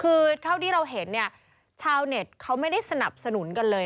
คือเท่าที่เราเห็นเนี่ยชาวเน็ตเขาไม่ได้สนับสนุนกันเลย